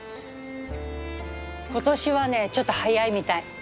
今年はねちょっと早いみたい。